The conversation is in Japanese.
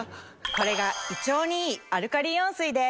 これが胃腸にいいアルカリイオン水です。